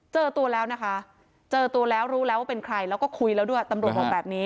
เจอตัวแล้วนะคะเจอตัวแล้วรู้แล้วว่าเป็นใครแล้วก็คุยแล้วด้วยตำรวจบอกแบบนี้